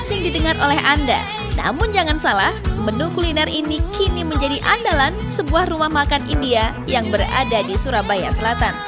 india kuliner tradisional